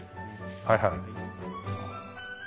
はいはい。